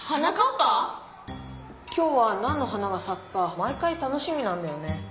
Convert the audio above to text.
今日はなんの花がさくか毎回楽しみなんだよね。